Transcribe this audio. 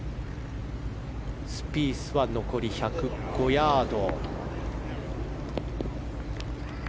スピースは残り１０５ヤード。